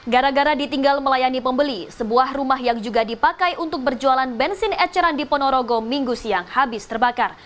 gara gara ditinggal melayani pembeli sebuah rumah yang juga dipakai untuk berjualan bensin eceran di ponorogo minggu siang habis terbakar